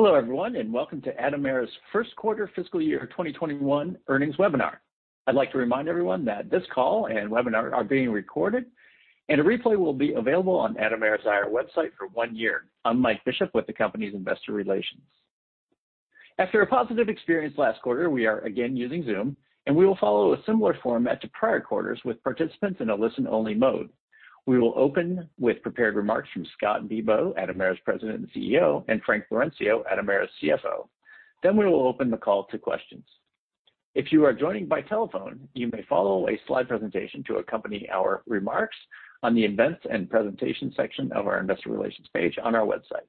Hello everyone, welcome to Atomera's first quarter fiscal year 2021 earnings webinar. I'd like to remind everyone that this call and webinar are being recorded, and a replay will be available on Atomera's IR website for one year. I'm Mike Bishop with the company's investor relations. After a positive experience last quarter, we are again using Zoom, and we will follow a similar format to prior quarters with participants in a listen-only mode. We will open with prepared remarks from Scott Bibaud, Atomera's President and CEO, and Frank Laurencio, Atomera's CFO. We will open the call to questions. If you are joining by telephone, you may follow a slide presentation to accompany our remarks on the Events and Presentation section of our Investor Relations page on our website.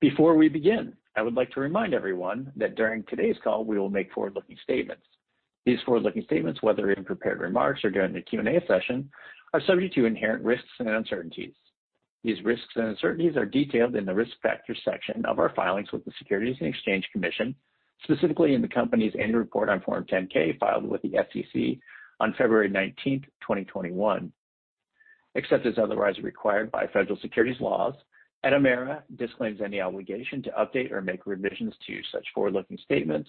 Before we begin, I would like to remind everyone that during today's call, we will make forward-looking statements. These forward-looking statements, whether in prepared remarks or during the Q&A session, are subject to inherent risks and uncertainties. These risks and uncertainties are detailed in the Risk Factors section of our filings with the Securities and Exchange Commission, specifically in the company's annual report on Form 10-K filed with the SEC on February 19th, 2021. Except as otherwise required by federal securities laws, Atomera disclaims any obligation to update or make revisions to such forward-looking statements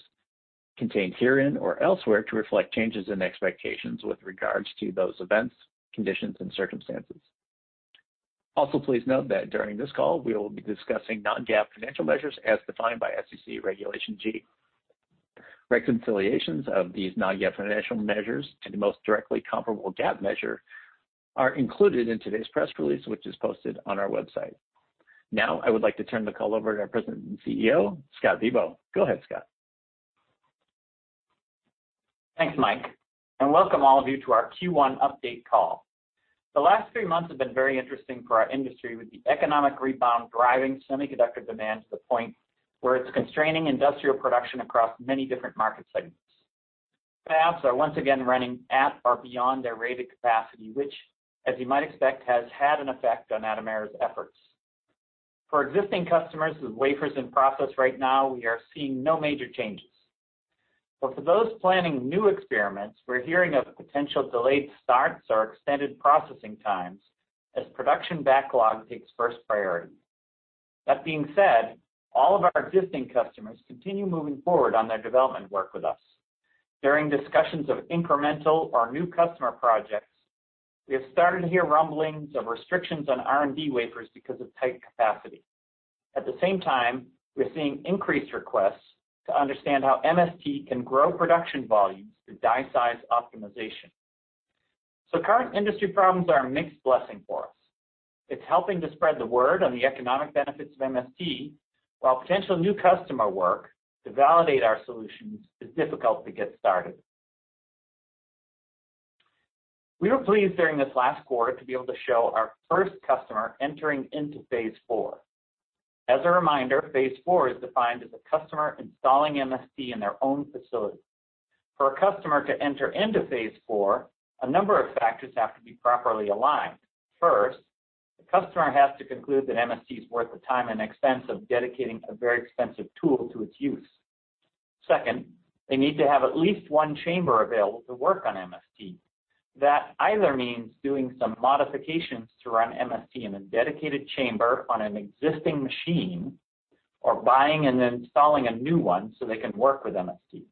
contained herein or elsewhere to reflect changes in expectations with regards to those events, conditions, and circumstances. Also, please note that during this call, we will be discussing non-GAAP financial measures as defined by SEC Regulation G. Reconciliations of these non-GAAP financial measures to the most directly comparable GAAP measure are included in today's press release, which is posted on our website. I would like to turn the call over to our President and CEO, Scott Bibaud. Go ahead, Scott. Thanks, Mike, and welcome all of you to our Q1 update call. The last three months have been very interesting for our industry, with the economic rebound driving semiconductor demand to the point where it's constraining industrial production across many different market segments. fabs are once again running at or beyond their rated capacity, which, as you might expect, has had an effect on Atomera's efforts. For existing customers with wafers in process right now, we are seeing no major changes. For those planning new experiments, we're hearing of potential delayed starts or extended processing times as production backlog takes first priority. That being said, all of our existing customers continue moving forward on their development work with us. During discussions of incremental or new customer projects, we have started to hear rumblings of restrictions on R&D wafers because of tight capacity. At the same time, we're seeing increased requests to understand how MST can grow production volumes through die size optimization. Current industry problems are a mixed blessing for us. It's helping to spread the word on the economic benefits of MST, while potential new customer work to validate our solutions is difficult to get started. We were pleased during this last quarter to be able to show our first customer entering into phase 4. As a reminder, phase 4 is defined as a customer installing MST in their own facility. For a customer to enter into phase 4, a number of factors have to be properly aligned. First, the customer has to conclude that MST is worth the time and expense of dedicating a very expensive tool to its use. Second, they need to have at least one chamber available to work on MST. Either means doing some modifications to run MST in a dedicated chamber on an existing machine, or buying and then installing a new one so they can work with MST.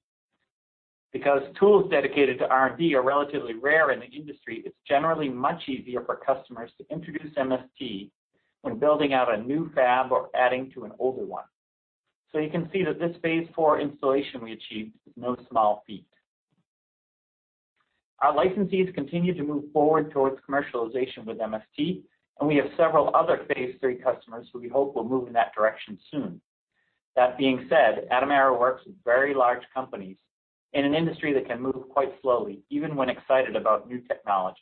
Tools dedicated to R&D are relatively rare in the industry, it's generally much easier for customers to introduce MST when building out a new fab or adding to an older one. You can see that this phase 4 installation we achieved was no small feat. Our licensees continue to move forward towards commercialization with MST, and we have several other phase 3 customers who we hope will move in that direction soon. That being said, Atomera works with very large companies in an industry that can move quite slowly, even when excited about new technology.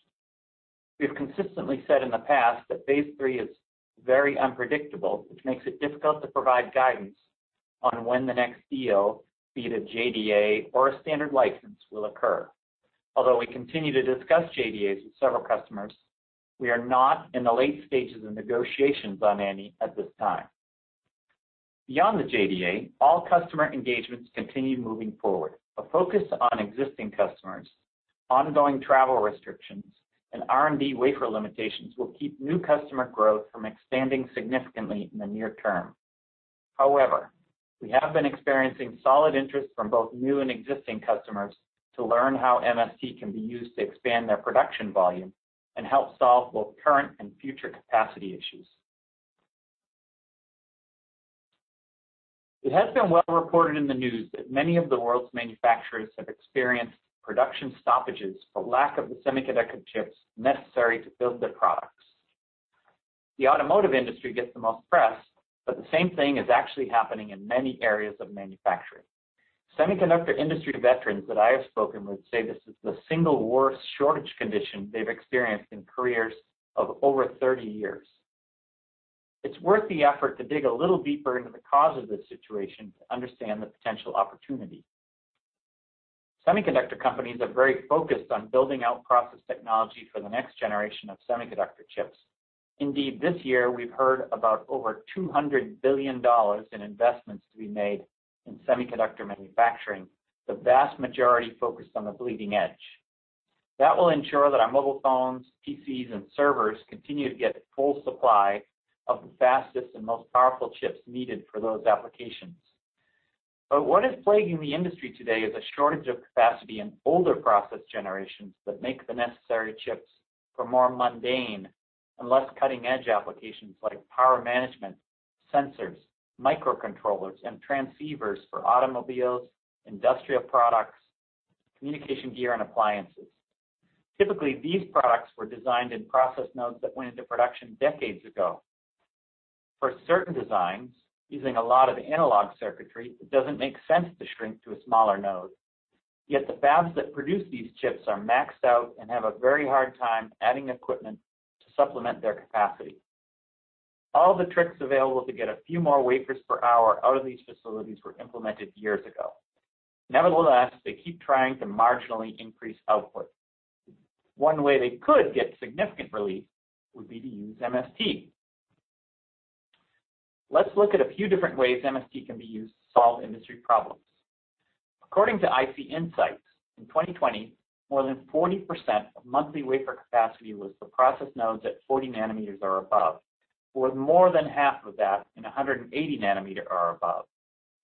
We've consistently said in the past that phase 3 is very unpredictable, which makes it difficult to provide guidance on when the next deal, be it a JDA or a standard license, will occur. Although we continue to discuss JDAs with several customers, we are not in the late stages of negotiations on any at this time. Beyond the JDA, all customer engagements continue moving forward. A focus on existing customers, ongoing travel restrictions, and R&D wafer limitations will keep new customer growth from expanding significantly in the near term. However, we have been experiencing solid interest from both new and existing customers to learn how MST can be used to expand their production volume and help solve both current and future capacity issues. It has been well reported in the news that many of the world's manufacturers have experienced production stoppages for lack of the semiconductor chips necessary to build their products. The automotive industry gets the most press, but the same thing is actually happening in many areas of manufacturing. Semiconductor industry veterans that I have spoken with say this is the single worst shortage condition they've experienced in careers of over 30 years. It's worth the effort to dig a little deeper into the cause of this situation to understand the potential opportunity. Semiconductor companies are very focused on building out process technology for the next generation of semiconductor chips. Indeed, this year, we've heard about over $200 billion in investments to be made in semiconductor manufacturing, the vast majority focused on the bleeding edge. That will ensure that our mobile phones, PCs, and servers continue to get a full supply of the fastest and most powerful chips needed for those applications. What is plaguing the industry today is a shortage of capacity in older process generations that make the necessary chips for more mundane and less cutting-edge applications like power management, sensors, microcontrollers, and transceivers for automobiles, industrial products, communication gear, and appliances. Typically, these products were designed in process nodes that went into production decades ago. For certain designs, using a lot of analog circuitry, it doesn't make sense to shrink to a smaller node. Yet the fabs that produce these chips are maxed out and have a very hard time adding equipment to supplement their capacity. All the tricks available to get a few more wafers per hour out of these facilities were implemented years ago. Nevertheless, they keep trying to marginally increase output. One way they could get significant relief would be to use MST. Let's look at a few different ways MST can be used to solve industry problems. According to IC Insights, in 2020, more than 40% of monthly wafer capacity was for process nodes at 40 nm or above, with more than half of that in 180 nm or above,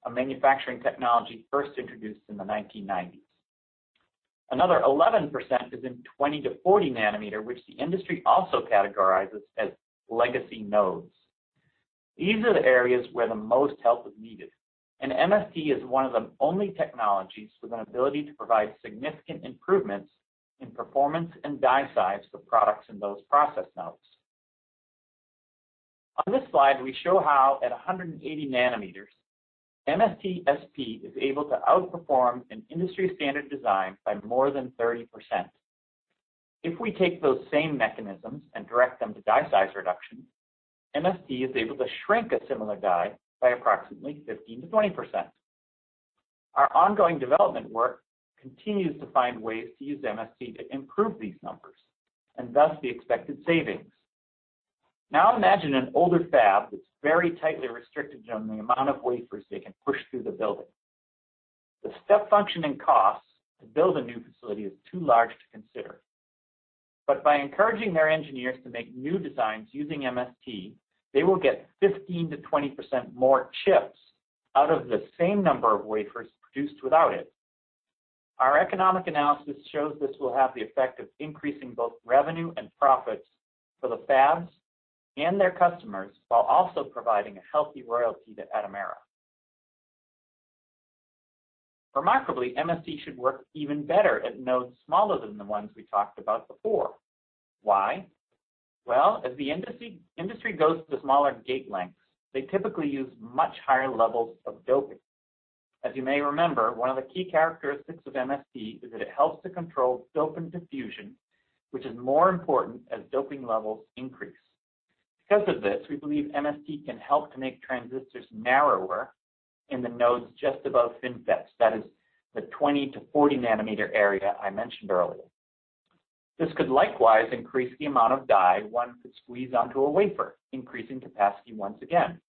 a manufacturing technology first introduced in the 1990s. Another 11% is in 20-40 nm, which the industry also categorizes as legacy nodes. These are the areas where the most help is needed, and MST is one of the only technologies with an ability to provide significant improvements in performance and die size for products in those process nodes. On this slide, we show how at 180 nm, MST-SP is able to outperform an industry-standard design by more than 30%. If we take those same mechanisms and direct them to die size reduction, MST is able to shrink a similar die by approximately 15%-20%. Our ongoing development work continues to find ways to use MST to improve these numbers and thus the expected savings. Imagine an older fab that's very tightly restricted on the amount of wafers they can push through the building. The step function in costs to build a new facility is too large to consider. By encouraging their engineers to make new designs using MST, they will get 15%-20% more chips out of the same number of wafers produced without it. Our economic analysis shows this will have the effect of increasing both revenue and profits for the fabs and their customers, while also providing a healthy royalty to Atomera. Remarkably, MST should work even better at nodes smaller than the ones we talked about before. Why? Well, as the industry goes to smaller gate lengths, they typically use much higher levels of doping. As you may remember, one of the key characteristics of MST is that it helps to control dopant diffusion, which is more important as doping levels increase. Because of this, we believe MST can help to make transistors narrower in the nodes just above FinFETs. That is the 20-40 nm area I mentioned earlier. This could likewise increase the amount of die one could squeeze onto a wafer, increasing capacity once again.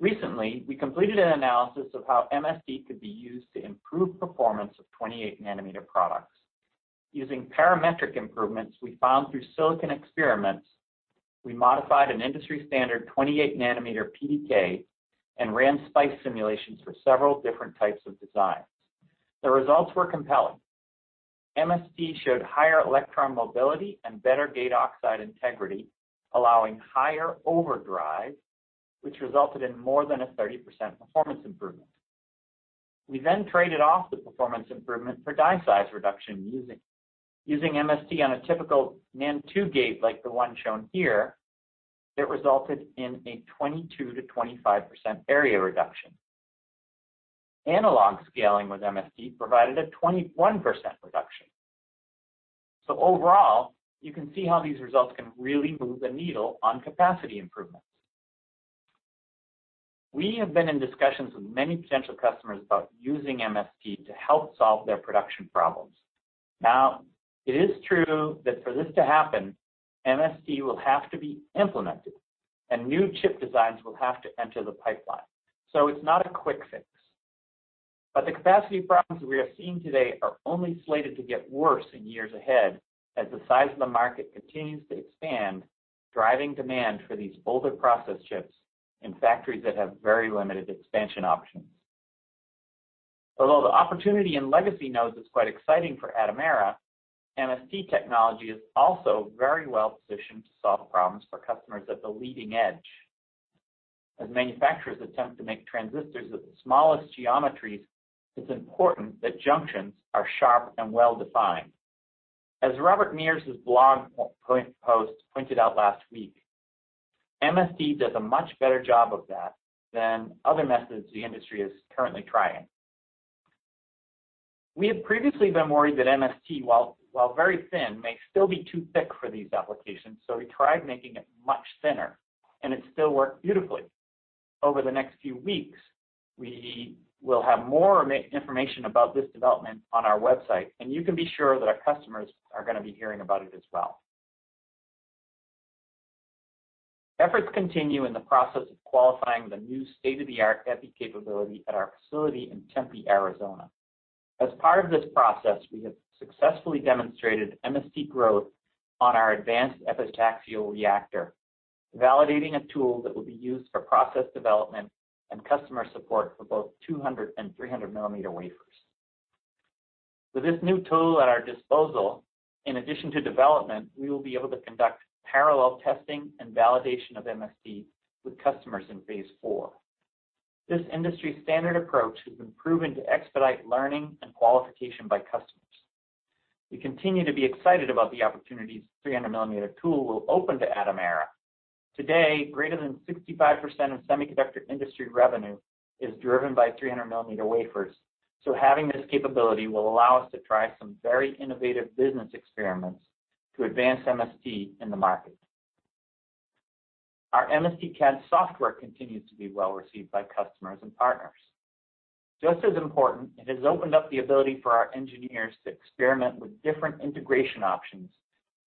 Recently, we completed an analysis of how MST could be used to improve performance of 28 nm products. Using parametric improvements we found through silicon experiments, we modified an industry-standard 28-nm PDK and ran SPICE simulations for several different types of designs. The results were compelling. MST showed higher electron mobility and better gate oxide integrity, allowing higher overdrive, which resulted in more than a 30% performance improvement. We traded off the performance improvement for die size reduction using MST on a typical NAND2 gate like the one shown here, it resulted in a 22%-25% area reduction. Analog scaling with MST provided a 21% reduction. Overall, you can see how these results can really move the needle on capacity improvements. We have been in discussions with many potential customers about using MST to help solve their production problems. It is true that for this to happen, MST will have to be implemented, and new chip designs will have to enter the pipeline. It's not a quick fix. The capacity problems we are seeing today are only slated to get worse in years ahead as the size of the market continues to expand, driving demand for these older process chips in factories that have very limited expansion options. The opportunity in legacy nodes is quite exciting for Atomera, MST technology is also very well-positioned to solve problems for customers at the leading edge. As manufacturers attempt to make transistors with the smallest geometries, it's important that junctions are sharp and well-defined. As Robert Mears' blog post pointed out last week, MST does a much better job of that than other methods the industry is currently trying. We had previously been worried that MST, while very thin, may still be too thick for these applications, so we tried making it much thinner, and it still worked beautifully. Over the next few weeks, we will have more information about this development on our website, and you can be sure that our customers are going to be hearing about it as well. Efforts continue in the process of qualifying the new state-of-the-art Epi capability at our facility in Tempe, Arizona. As part of this process, we have successfully demonstrated MST growth on our advanced epitaxial reactor, validating a tool that will be used for process development and customer support for both 200 and 300 mm wafers. With this new tool at our disposal, in addition to development, we will be able to conduct parallel testing and validation of MST with customers in phase 4. This industry-standard approach has been proven to expedite learning and qualification by customers. We continue to be excited about the opportunities 300 mm tool will open to Atomera. Today, greater than 65% of semiconductor industry revenue is driven by 300 mm wafers. Having this capability will allow us to try some very innovative business experiments to advance MST in the market. Our MSTcad software continues to be well-received by customers and partners. Just as important, it has opened up the ability for our engineers to experiment with different integration options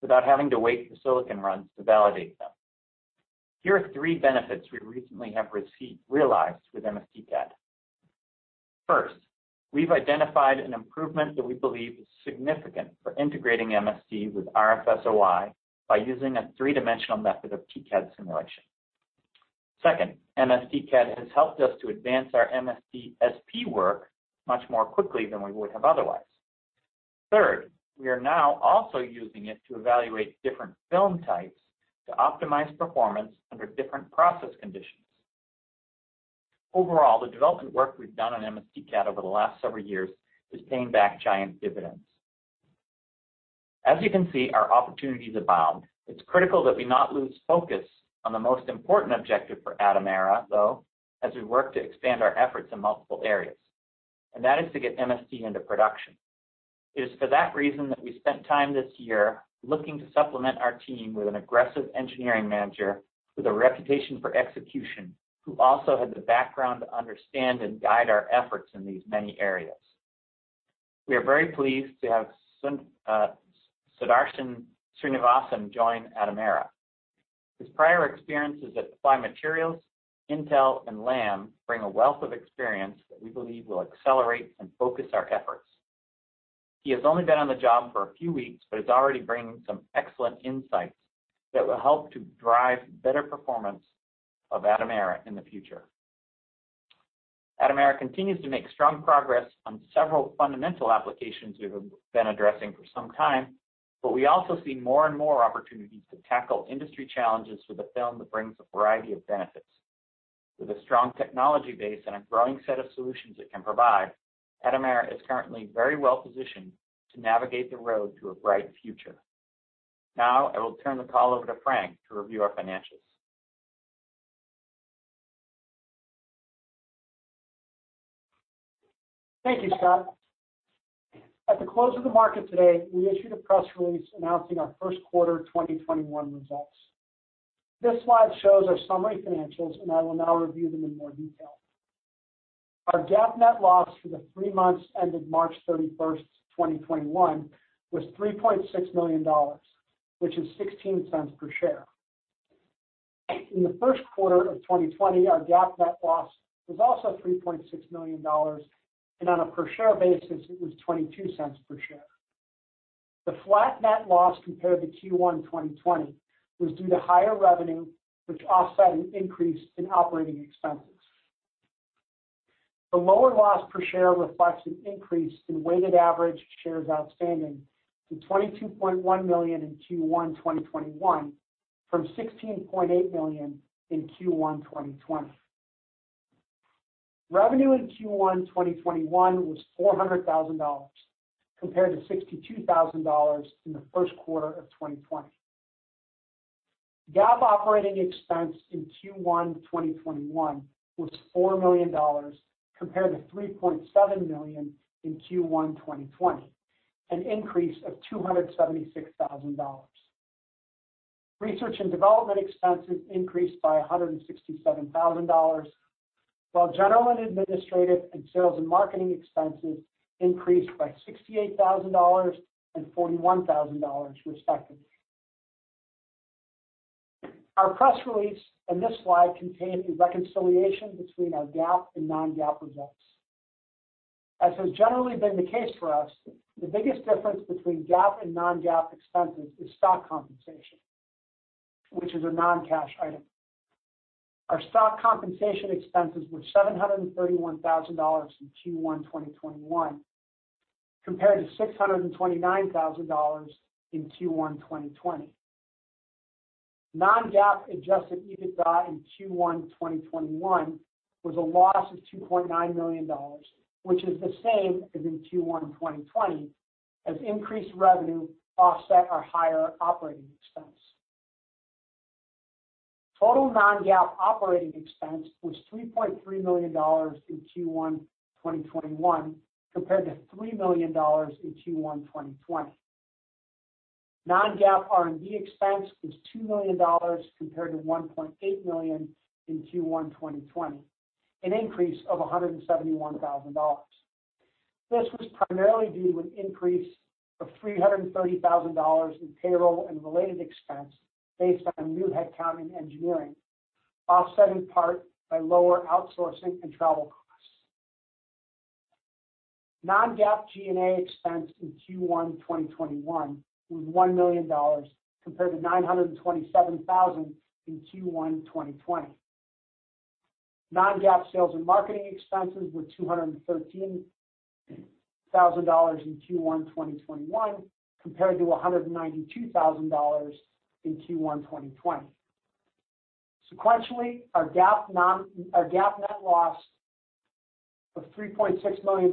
without having to wait for silicon runs to validate them. Here are three benefits we recently have realized with MSTcad. First, we've identified an improvement that we believe is significant for integrating MST with RF-SOI by using a three-dimensional method of TCAD simulation. Second, MSTcad has helped us to advance our MST-SP work much more quickly than we would have otherwise. Third, we are now also using it to evaluate different film types to optimize performance under different process conditions. Overall, the development work we've done on MSTcad over the last several years is paying back giant dividends. As you can see, our opportunities abound. It's critical that we not lose focus on the most important objective for Atomera, though, as we work to expand our efforts in multiple areas. That is to get MST into production. It is for that reason that we spent time this year looking to supplement our team with an aggressive engineering manager with a reputation for execution, who also had the background to understand and guide our efforts in these many areas. We are very pleased to have Sudarsan Srinivasan join Atomera. His prior experiences at Applied Materials, Intel, and Lam bring a wealth of experience that we believe will accelerate and focus our efforts. He has only been on the job for a few weeks but is already bringing some excellent insights that will help to drive better performance of Atomera in the future. Atomera continues to make strong progress on several fundamental applications we have been addressing for some time, but we also see more and more opportunities to tackle industry challenges with a film that brings a variety of benefits. With a strong technology base and a growing set of solutions it can provide, Atomera is currently very well-positioned to navigate the road to a bright future. Now, I will turn the call over to Frank to review our financials. Thank you, Scott. At the close of the market today, we issued a press release announcing our Q1 2021 results. This slide shows our summary financials, and I will now review them in more detail. Our GAAP net loss for the three months ended March 31st, 2021, was $3.6 million, which is $0.16 per share. In Q1 2020, our GAAP net loss was also $3.6 million, and on a per share basis, it was $0.22 per share. The flat net loss compared to Q1 2020 was due to higher revenue, which offset an increase in operating expenses. The lower loss per share reflects an increase in weighted average shares outstanding to 22.1 million in Q1 2021 from 16.8 million in Q1 2020. Revenue in Q1 2021 was $400,000 compared to $62,000 in Q1 2020. GAAP operating expense in Q1 2021 was $4 million compared to $3.7 million in Q1 2020, an increase of $276,000. Research and development expenses increased by $167,000, while general and administrative and sales and marketing expenses increased by $68,000 and $41,000, respectively. Our press release and this slide contain a reconciliation between our GAAP and non-GAAP results. As has generally been the case for us, the biggest difference between GAAP and non-GAAP expenses is stock compensation, which is a non-cash item. Our stock compensation expenses were $731,000 in Q1 2021 compared to $629,000 in Q1 2020. Non-GAAP adjusted EBITDA in Q1 2021 was a loss of $2.9 million, which is the same as in Q1 2020, as increased revenue offset our higher operating expense. Total non-GAAP operating expense was $3.3 million in Q1 2021 compared to $3 million in Q1 2020. Non-GAAP R&D expense was $2 million compared to $1.8 million in Q1 2020, an increase of $171,000. This was primarily due to an increase of $330,000 in payroll and related expense based on new headcount in engineering, offset in part by lower outsourcing and travel costs. Non-GAAP G&A expense in Q1 2021 was $1 million, compared to $927,000 in Q1 2020. Non-GAAP sales and marketing expenses were $213,000 in Q1 2021 compared to $192,000 in Q1 2020. Sequentially, our GAAP net loss of $3.6 million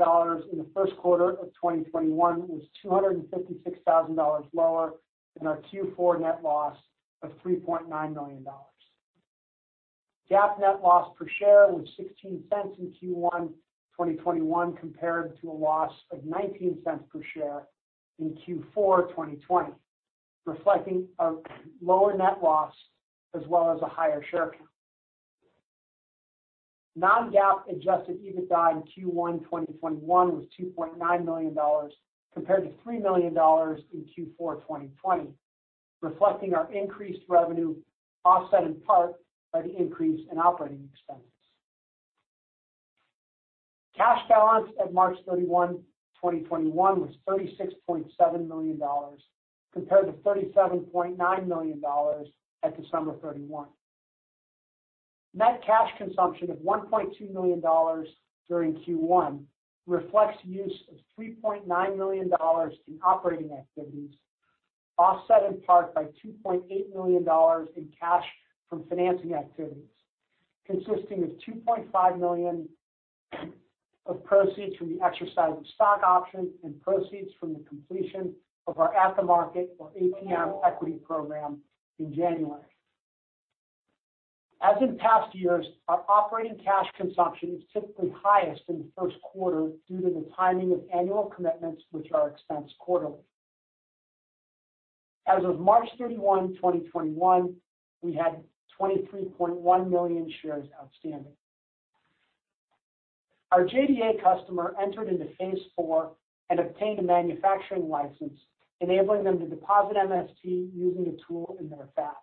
in the first quarter of 2021 was $256,000 lower than our Q4 net loss of $3.9 million. GAAP net loss per share was $0.16 in Q1 2021, compared to a loss of $0.19 per share in Q4 2020, reflecting a lower net loss as well as a higher share count. Non-GAAP adjusted EBITDA in Q1 2021 was $2.9 million, compared to $3 million in Q4 2020, reflecting our increased revenue, offset in part by the increase in operating expenses. Cash balance at March 31, 2021, was $36.7 million, compared to $37.9 million at December 31. Net cash consumption of $1.2 million during Q1 reflects use of $3.9 million in operating activities, offset in part by $2.8 million in cash from financing activities, consisting of $2.5 million of proceeds from the exercise of stock options and proceeds from the completion of our at-the-market, or ATM, equity program in January. As in past years, our operating cash consumption is typically highest in the first quarter due to the timing of annual commitments, which are expensed quarterly. As of March 31, 2021, we had 23.1 million shares outstanding. Our JDA customer entered into phase IV and obtained a manufacturing license enabling them to deposit MST using the tool in their fab.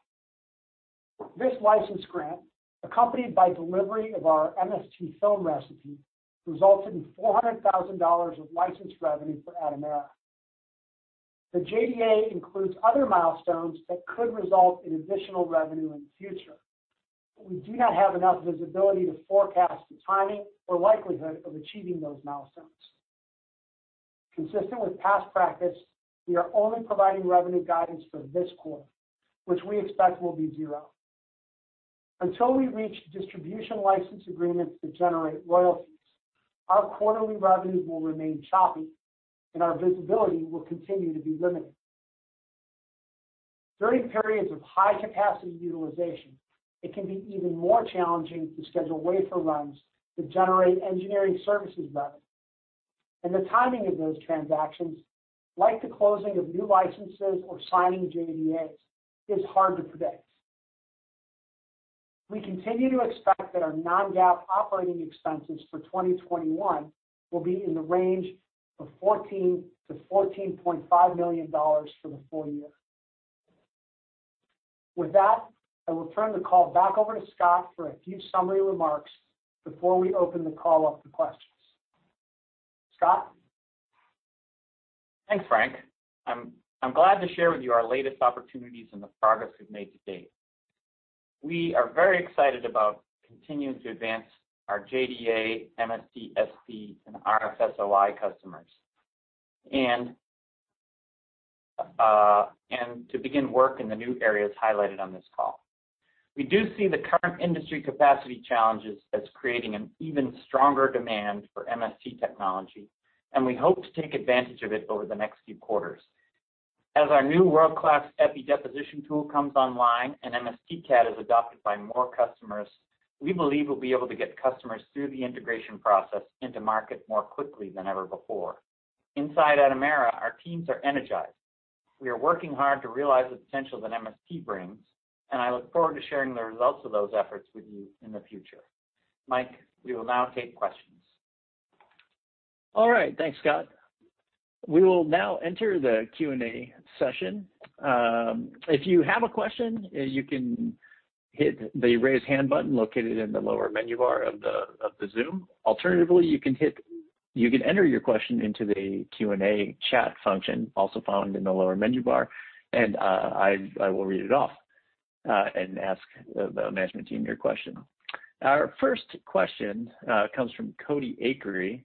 This license grant, accompanied by delivery of our MST film recipe, resulted in $400,000 of licensed revenue for Atomera. The JDA includes other milestones that could result in additional revenue in the future, but we do not have enough visibility to forecast the timing or likelihood of achieving those milestones. Consistent with past practice, we are only providing revenue guidance for this quarter, which we expect will be zero. Until we reach distribution license agreements that generate royalties, our quarterly revenues will remain choppy and our visibility will continue to be limited. During periods of high capacity utilization, it can be even more challenging to schedule wafer runs to generate engineering services revenue. The timing of those transactions, like the closing of new licenses or signing JDA, is hard to predict. We continue to expect that our non-GAAP operating expenses for 2021 will be in the range of $14 million-$14.5 million for the full year. With that, I will turn the call back over to Scott for a few summary remarks before we open the call up to questions. Scott? Thanks, Frank. I'm glad to share with you our latest opportunities and the progress we've made to date. We are very excited about continuing to advance our JDA, MST-SP, and RF-SOI customers and to begin work in the new areas highlighted on this call. We do see the current industry capacity challenges as creating an even stronger demand for MST technology, and we hope to take advantage of it over the next few quarters. As our new world-class Epi deposition tool comes online and MSTcad is adopted by more customers, we believe we'll be able to get customers through the integration process into market more quickly than ever before. Inside Atomera, our teams are energized. We are working hard to realize the potential that MST brings, and I look forward to sharing the results of those efforts with you in the future. Mike, we will now take questions. All right. Thanks, Scott. We will now enter the Q&A session. If you have a question, you can hit the Raise Hand button located in the lower menu bar of the Zoom. Alternatively, you can enter your question into the Q&A chat function, also found in the lower menu bar, and I will read it off, and ask the management team your question. Our first question comes from Cody Acree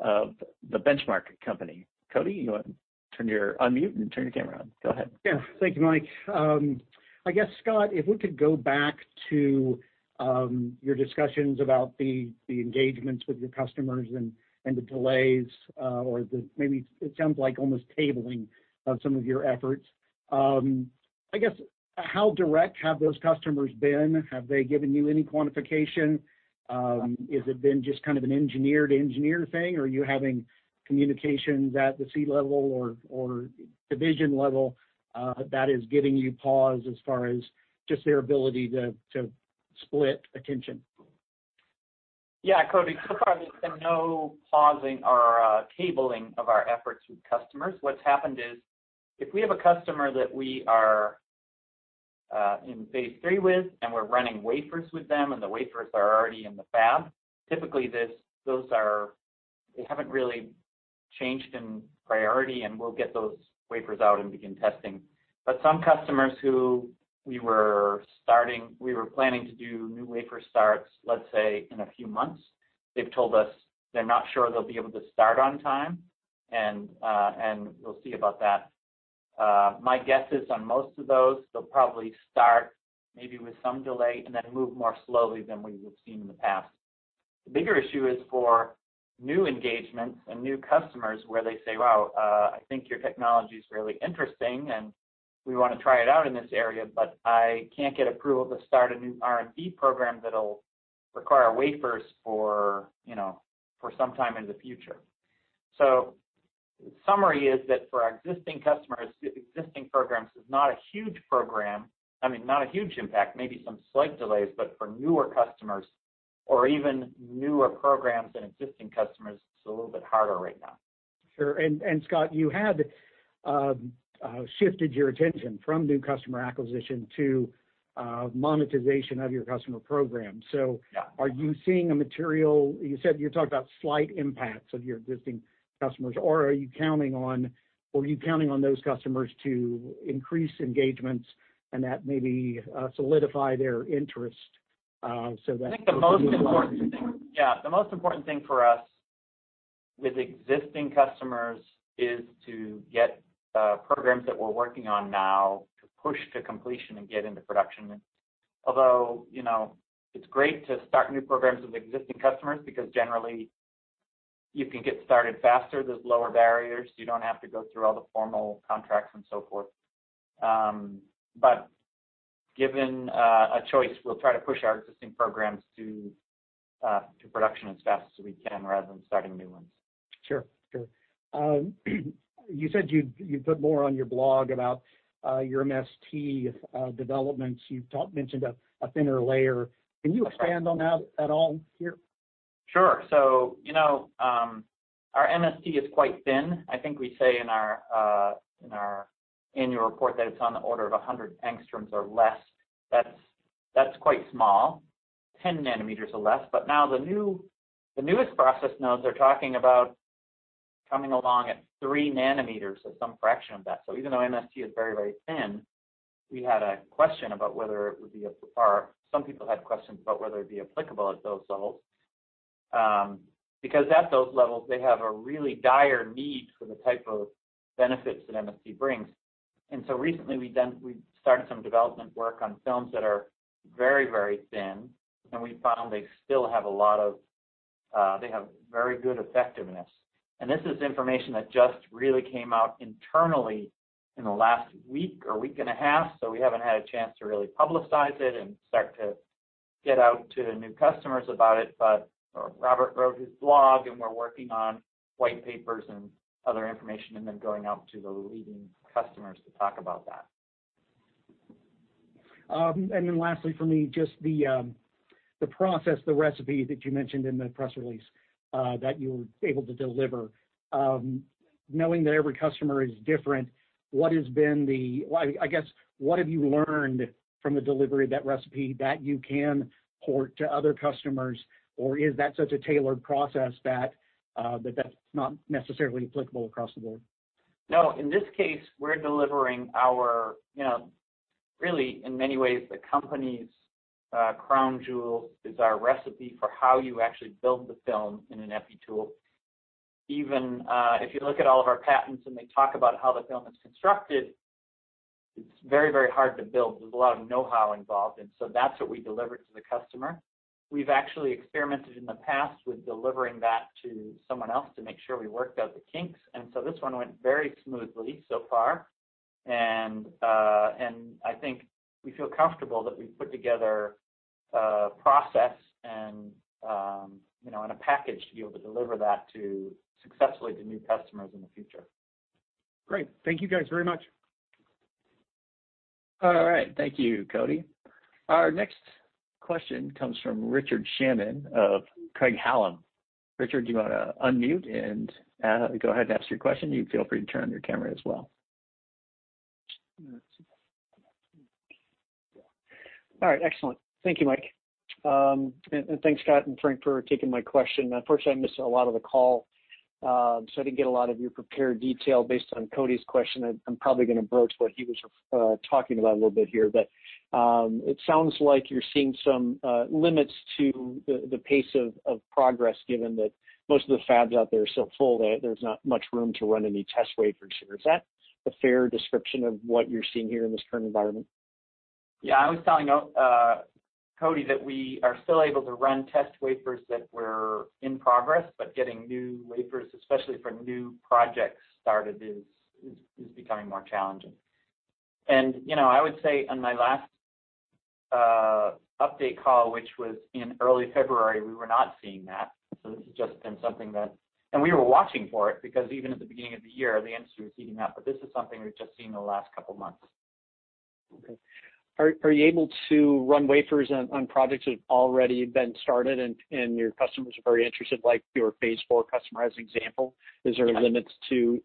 of The Benchmark Company. Cody, you want to unmute and turn your camera on. Go ahead. Yeah. Thank you, Mike. I guess, Scott, if we could go back to your discussions about the engagements with your customers and the delays, or maybe it sounds like almost tabling of some of your efforts. I guess, how direct have those customers been? Have they given you any quantification? Has it been just kind of an engineer to engineer thing, or are you having communications at the C-level or division level that is giving you pause as far as just their ability to split attention? Yeah, Cody, so far there's been no pausing or tabling of our efforts with customers. What's happened is, if we have a customer that we are in phase 3 with, and we're running wafers with them, and the wafers are already in the fab, typically, those haven't really changed in priority, and we'll get those wafers out and begin testing. Some customers who we were planning to do new wafer starts, let's say, in a few months, they've told us they're not sure they'll be able to start on time, and we'll see about that. My guess is on most of those, they'll probably start maybe with some delay and then move more slowly than we have seen in the past. The bigger issue is for new engagements and new customers where they say, "Wow, I think your technology's really interesting, and we want to try it out in this area, but I can't get approval to start a new R&D program that'll require wafers for some time in the future." The summary is that for our existing customers, existing programs, it's not a huge impact, maybe some slight delays. For newer customers or even newer programs than existing customers, it's a little bit harder right now. Sure. Scott, you had shifted your attention from new customer acquisition to monetization of your customer program. Yeah. You talked about slight impacts of your existing customers. Are you counting on those customers to increase engagements and that maybe solidify their interest? I think the most important thing, yeah. The most important thing for us with existing customers is to get programs that we're working on now to push to completion and get into production. It's great to start new programs with existing customers, because generally you can get started faster. There's lower barriers. You don't have to go through all the formal contracts and so forth. Given a choice, we'll try to push our existing programs to production as fast as we can rather than starting new ones. Sure. You said you'd put more on your blog about your MST developments. You mentioned a thinner layer. Can you expand on that at all here? Sure. Our MST is quite thin. I think we say in our annual report that it's on the order of 100 angstroms or less. That's quite small, 10 nm or less. Now the newest process nodes are talking about coming along at 3 nm or some fraction of that. Even though MST is very thin, some people had questions about whether it would be applicable at those levels. Because at those levels, they have a really dire need for the type of benefits that MST brings. Recently, we started some development work on films that are very thin, and we found they have very good effectiveness. This is information that just really came out internally in the last week or week and a half, so we haven't had a chance to really publicize it and start to get out to new customers about it. Robert wrote his blog, and we're working on white papers and other information, and then going out to the leading customers to talk about that. Lastly for me, just the process, the recipe that you mentioned in the press release, that you were able to deliver. Knowing that every customer is different, I guess, what have you learned from the delivery of that recipe that you can port to other customers? Or is that such a tailored process that that's not necessarily applicable across the board? No. In this case, we're delivering our, really, in many ways, the company's crown jewel is our recipe for how you actually build the film in an Epi tool. Even if you look at all of our patents and they talk about how the film is constructed, it's very hard to build. There's a lot of know-how involved, and so that's what we delivered to the customer. We've actually experimented in the past with delivering that to someone else to make sure we worked out the kinks, and so this one went very smoothly so far. I think we feel comfortable that we've put together a process and a package to be able to deliver that successfully to new customers in the future. Great. Thank you guys very much. All right. Thank you, Cody. Our next question comes from Richard Shannon of Craig-Hallum. Richard, do you want to unmute and go ahead and ask your question? You can feel free to turn on your camera as well. All right. Excellent. Thank you, Mike. Thanks, Scott and Frank, for taking my question. Unfortunately, I missed a lot of the call, so I didn't get a lot of your prepared detail. Based on Cody's question, I'm probably going to broach what he was talking about a little bit here. It sounds like you're seeing some limits to the pace of progress, given that most of the fabs out there are so full that there's not much room to run any test wafers here. Is that a fair description of what you're seeing here in this current environment? Yeah. I was telling Cody that we are still able to run test wafers that were in progress, but getting new wafers, especially for new projects started, is becoming more challenging. I would say on my last update call, which was in early February, we were not seeing that. This has just been something that we were watching for it, because even at the beginning of the year, the industry was seeing that. This is something we've just seen in the last couple of months. Okay. Are you able to run wafers on projects that have already been started and your customers are very interested, like your phase four customer as an example? Is there limits to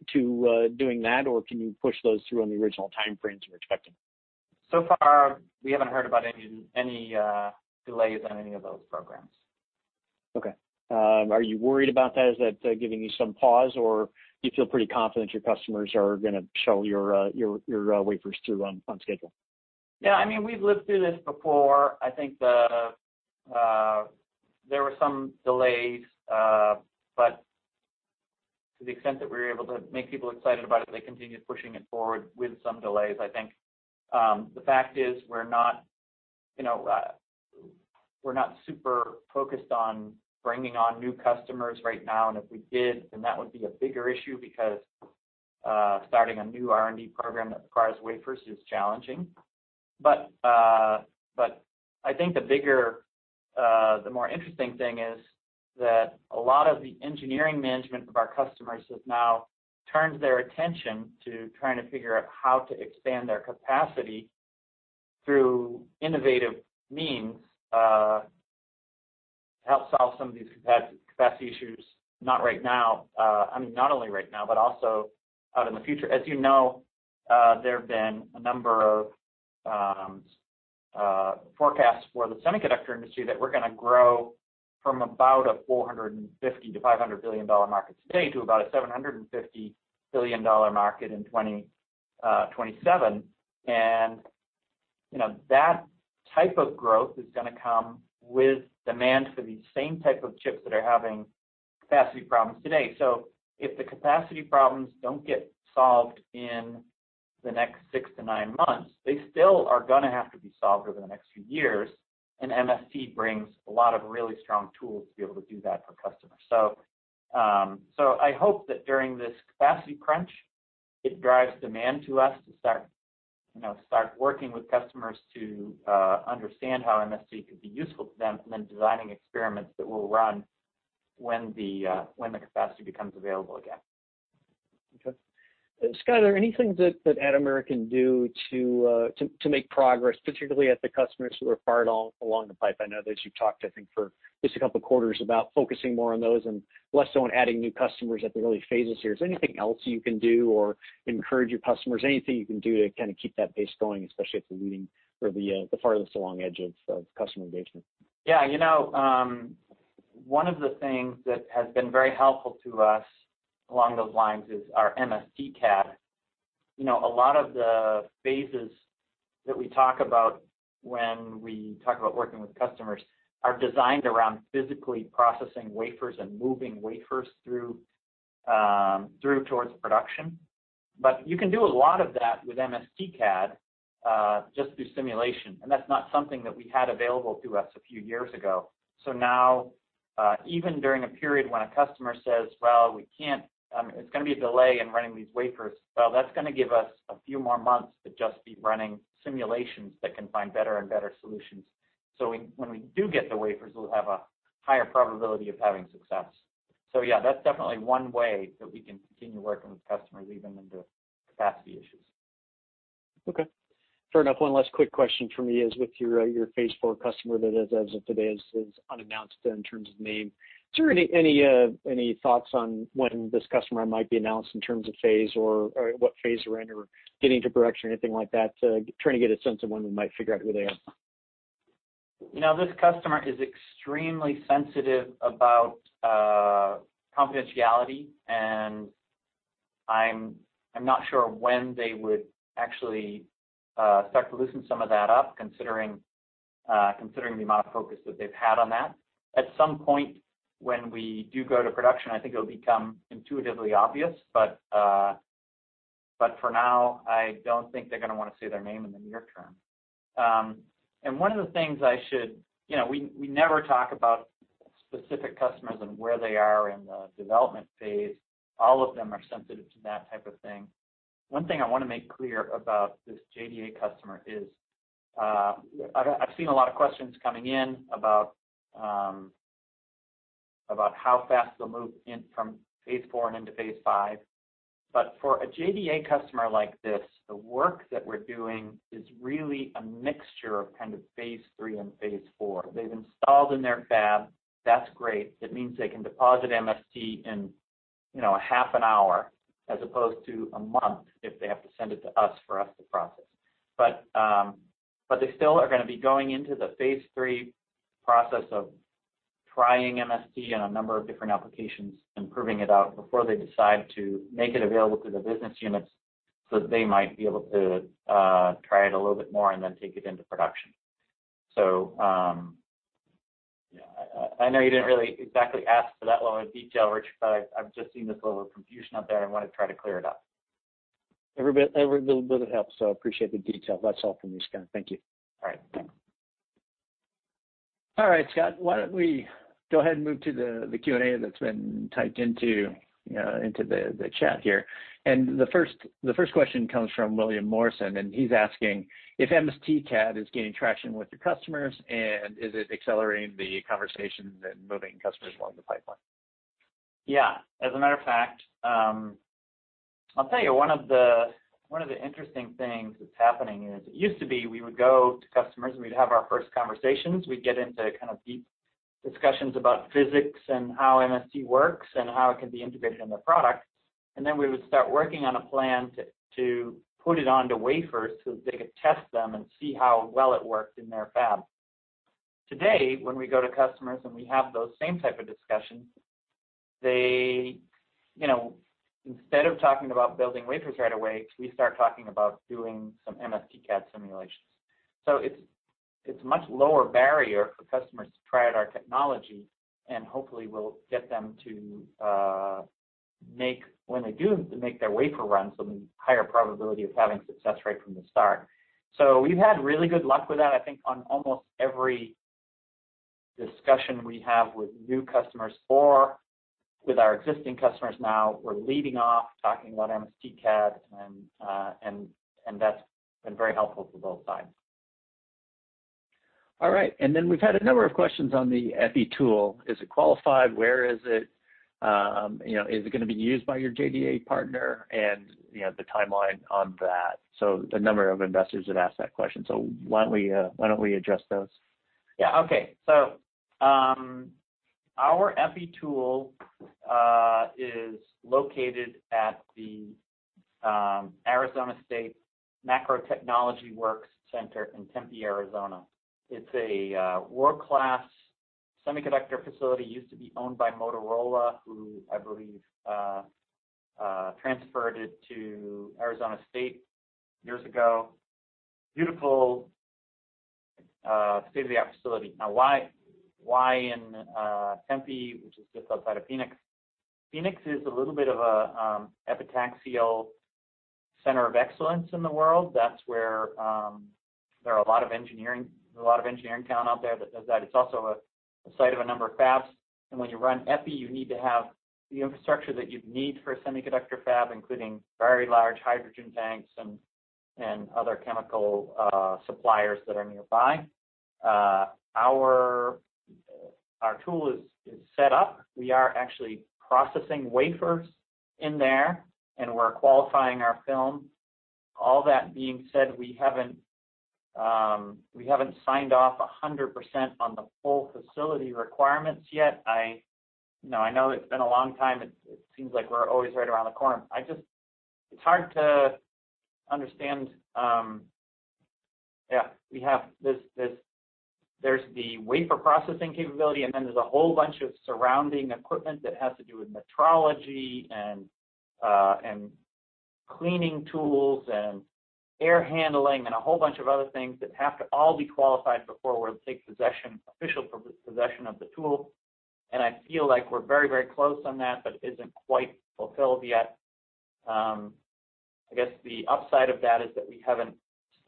doing that, or can you push those through on the original timeframes you were expecting? We haven't heard about any delays on any of those programs. Are you worried about that? Is that giving you some pause, or do you feel pretty confident your customers are going to show your wafers through on schedule? Yeah, we've lived through this before. I think there were some delays, but to the extent that we were able to make people excited about it, they continued pushing it forward with some delays, I think. The fact is we're not super focused on bringing on new customers right now, and if we did, then that would be a bigger issue because starting a new R&D program that requires wafers is challenging. I think the more interesting thing is that a lot of the engineering management of our customers have now turned their attention to trying to figure out how to expand their capacity through innovative means to help solve some of these capacity issues, not only right now, but also out in the future. As you know, there have been a number of forecasts for the semiconductor industry that we're going to grow from about a $450 billion-$500 billion market today to about a $750 billion market in 2027. That type of growth is going to come with demand for these same type of chips that are having capacity problems today. If the capacity problems don't get solved in the next six to nine months, they still are going to have to be solved over the next few years, and MST brings a lot of really strong tools to be able to do that for customers. I hope that during this capacity crunch, it drives demand to us to start working with customers to understand how MST could be useful to them, and then designing experiments that we'll run when the capacity becomes available again. Okay. Scott, are there anything that Atomera can do to make progress, particularly at the customers who are far along the pipe? I know that you've talked, I think, for just a couple of quarters about focusing more on those and less on adding new customers at the early phases here. Is there anything else you can do or encourage your customers, anything you can do to kind of keep that pace going, especially at the leading or the farthest along edge of customer engagement? One of the things that has been very helpful to us along those lines is our MSTcad. A lot of the phases that we talk about when we talk about working with customers are designed around physically processing wafers and moving wafers through towards production. You can do a lot of that with MSTcad just through simulation, and that's not something that we had available to us a few years ago. Now, even during a period when a customer says, "Well, it's going to be a delay in running these wafers," well, that's going to give us a few more months to just be running simulations that can find better and better solutions. When we do get the wafers, we'll have a higher probability of having success. Yeah, that's definitely one way that we can continue working with customers, even in the capacity issues. Okay. Fair enough. One last quick question from me is with your phase 4 customer that as of today is unannounced in terms of name, is there any thoughts on when this customer might be announced in terms of phase or what phase we're in, or getting to production or anything like that, to trying to get a sense of when we might figure out who they are? This customer is extremely sensitive about confidentiality, and I'm not sure when they would actually start to loosen some of that up, considering the amount of focus that they've had on that. At some point, when we do go to production, I think it'll become intuitively obvious. For now, I don't think they're going to want to say their name in the near term. One of the things we never talk about specific customers and where they are in the development phase. All of them are sensitive to that type of thing. One thing I want to make clear about this JDA customer is, I've seen a lot of questions coming in about how fast they'll move in from phase 4 and into phase 5. For a JDA customer like this, the work that we're doing is really a mixture of kind of phase 3 and phase 4. They've installed in their fab. That's great. It means they can deposit MST in a half an hour as opposed to a month if they have to send it to us for us to process. They still are going to be going into the phase III process of trying MST in a number of different applications and proving it out before they decide to make it available to the business units so that they might be able to try it a little bit more and then take it into production. I know you didn't really exactly ask for that level of detail, Richard, but I've just seen this level of confusion out there and wanted to try to clear it up. Every little bit helps, so I appreciate the detail. That's all from me, Scott. Thank you. All right. All right, Scott, why don't we go ahead and move to the Q&A that's been typed into the chat here. The first question comes from William Morrison. He's asking if MSTcad is gaining traction with your customers, and is it accelerating the conversations and moving customers along the pipeline? Yeah. As a matter of fact, I'll tell you one of the interesting things that's happening is it used to be we would go to customers and we'd have our first conversations. We'd get into deep discussions about physics and how MST works and how it could be integrated into their product. We would start working on a plan to put it onto wafers so that they could test them and see how well it worked in their fab. Today, when we go to customers and we have those same type of discussions, instead of talking about building wafers right away, we start talking about doing some MSTcad simulations. It's a much lower barrier for customers to try out our technology, and hopefully we'll get them to, when they do make their wafer runs, there'll be a higher probability of having success right from the start. We've had really good luck with that. I think on almost every discussion we have with new customers or with our existing customers now, we're leading off talking about MSTcad, and that's been very helpful for both sides. All right, we've had a number of questions on the Epi tool. Is it qualified? Where is it? Is it going to be used by your JDA partner? The timeline on that? A number of investors have asked that question, so why don't we address those? Yeah. Okay. Our Epi tool is located at the Arizona State MacroTechnology Works in Tempe, Arizona. It's a world-class semiconductor facility. It used to be owned by Motorola, who I believe transferred it to Arizona State years ago. Beautiful, state-of-the-art facility. Why in Tempe, which is just outside of Phoenix? Phoenix is a little bit of an epitaxial center of excellence in the world. That's where there are a lot of engineering talent out there that does that. It's also a site of a number of fabs. When you run Epi, you need to have the infrastructure that you'd need for a semiconductor fab, including very large hydrogen tanks and other chemical suppliers that are nearby. Our tool is set up. We are actually processing wafers in there, and we're qualifying our film. All that being said, we haven't signed off 100% on the full facility requirements yet. I know it's been a long time. It seems like we're always right around the corner. It's hard to understand. There's the wafer processing capability, and then there's a whole bunch of surrounding equipment that has to do with metrology and cleaning tools and air handling and a whole bunch of other things that have to all be qualified before we take official possession of the tool. I feel like we're very close on that, but it isn't quite fulfilled yet. I guess the upside of that is that we haven't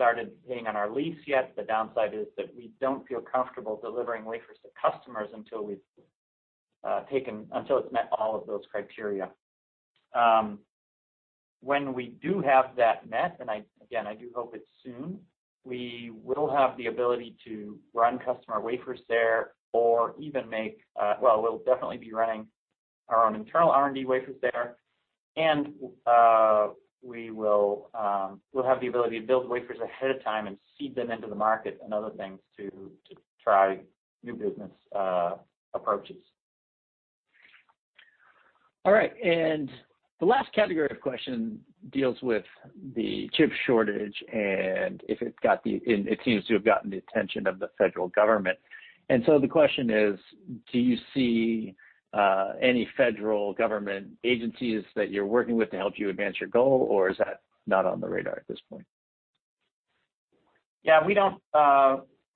started paying on our lease yet. The downside is that we don't feel comfortable delivering wafers to customers until it's met all of those criteria. When we do have that met, again, I do hope it's soon, we will have the ability to run customer wafers there or even, well, we'll definitely be running our own internal R&D wafers there. We'll have the ability to build wafers ahead of time and seed them into the market and other things to try new business approaches. All right. The last category of question deals with the chip shortage, and it seems to have gotten the attention of the federal government. The question is: do you see any federal government agencies that you're working with to help you advance your goal, or is that not on the radar at this point? Yeah,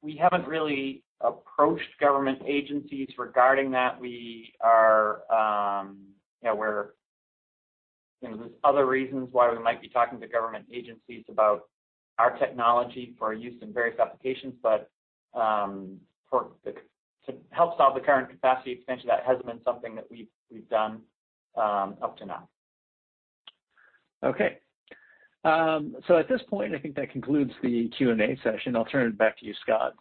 we haven't really approached government agencies regarding that. There's other reasons why we might be talking to government agencies about our technology for use in various applications. To help solve the current capacity expansion, that hasn't been something that we've done up to now. Okay. At this point, I think that concludes the Q&A session. I'll turn it back to you, Scott,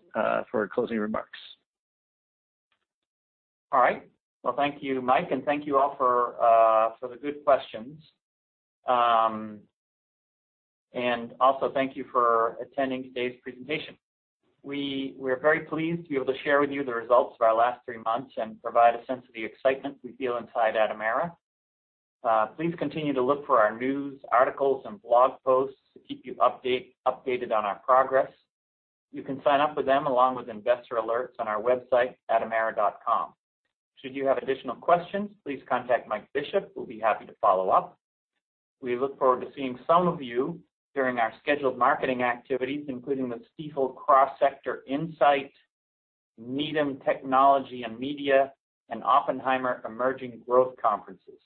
for closing remarks. All right. Well, thank you, Mike, and thank you all for the good questions. Also thank you for attending today's presentation. We're very pleased to be able to share with you the results of our last three months and provide a sense of the excitement we feel inside Atomera. Please continue to look for our news articles and blog posts to keep you updated on our progress. You can sign up for them along with investor alerts on our website, atomera.com. Should you have additional questions, please contact Mike Bishop, who'll be happy to follow up. We look forward to seeing some of you during our scheduled marketing activities, including the Stifel Cross Sector Insight, Needham Technology, Media, & Consumer Conference, and Oppenheimer Emerging Growth conferences.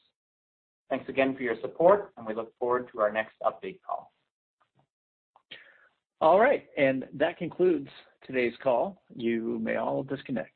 Thanks again for your support, and we look forward to our next update call. All right. That concludes today's call. You may all disconnect.